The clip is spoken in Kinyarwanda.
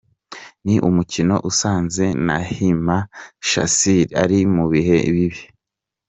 Ni umukino usanze Nahimana Shassir ari mu bihe bibi.